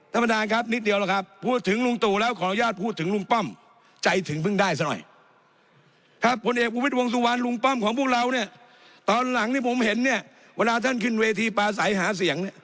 น้ำบนหานครับนิดเดียวแล้วครับพูดถึงลุงตู่แล้วขออนุญาตพูดถึงลุงป้อมใจถึงพึ่งได้ซะหน่อย